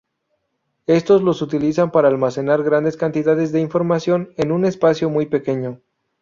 Estos los utilizan para almacenar grandes cantidades de información en un espacio muy pequeño.